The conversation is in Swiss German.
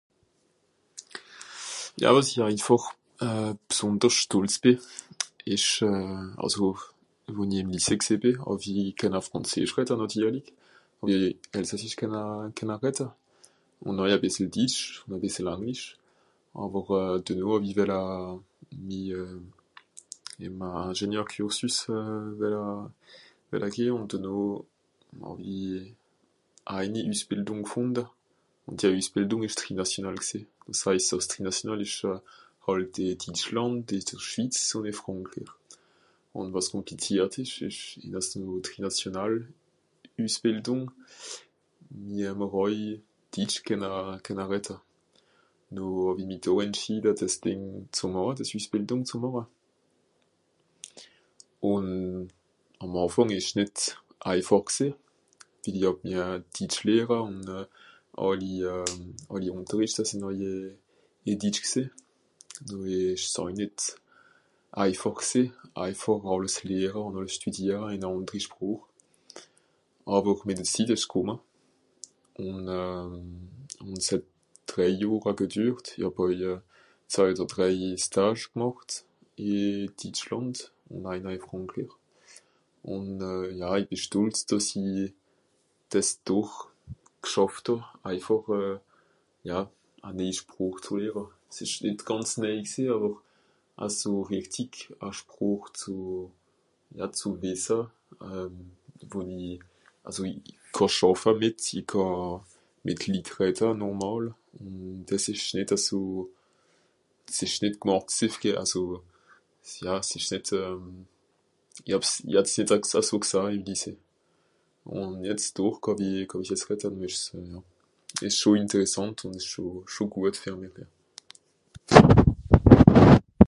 Ja wàs i eifàch bsondersch Stolz bì, ìsch àss wo... wo-n-i ìm Lycée gsìì bì, hàw-i kenna frànzeesch redda nàtirlig, hàw-i elsassisch kenna... kenna redda, ùn àui bìssel Ditsch, ùn a bìssel anglisch. Àwer denoh hàw-i wella mi ìm a Ingénieur Cursus wella... wella geh ùn dennoh hàw-i eini Üssbìldùng gfùnda ùn dia Üssbìldùng ìsch trinationale gsìì. Es heis àss trinational ìsch hàlt ì Ditschlànd ì dr Schwitz ùn ì Frànkrich. Ùn wàs kùmpliziert ìsch (...) trinational Üssbìldùng mìr haa àui ditsch kenna... kenna redda. Noh hàw-i mìt (...) dìs Dìng ze màche, dìs üssbìldùng ze màche. Ùn àm Àfang ìsch nìt eifàch gsìì, wie Ditsch lehre ùn àlli àlli Ùnterrichte sìnn àui ì Ditsch gsìì, noh ìsch's àui nìt eifàch gsìì. Noh ìsch's àui nìt eifàch gsìì, eifàch àlles lehre ùn àlles stüdiara ìn a àndri Sproch. Àwer mìt de Zitt ìsch's kùmma. Ùn ùn s'het drèi Johre gedürt. I hàb àui zwei odder drèi Stages gemàcht. Ì Ditschlànd ù einer ì Frànkrich. Ùn ja i bì stolz, dàss i... dìs doch gschàfft hàà, eifàch ja, a nèii Sproch zù lehra. S'ìsch nìt gànz nèi gsìì àwer aso rìchtig a Sproch zù... ja zù... ja zù wìssa wo-n-i... àlso i kàà schàffa mìt i kàà mìt Litt redda normàl. Ùn dìs ìsch nìt aso, s'ìsch nìt (...) aso... ja s'ìsch nìt... i hàb's... i hàb's nìt as gsah ìm Lycée. Ùn jetz doch kànn i... kànn i es redda. Ìsch scho ìnteressànt ùn ìsch scho... scho guat fer mìch ja.